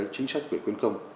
chính sách về quyến công